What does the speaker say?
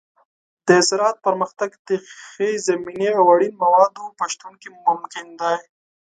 د زراعت پرمختګ د ښې زمینې او اړین موادو په شتون کې ممکن دی.